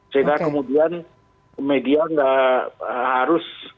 sehingga kemudian media nggak harus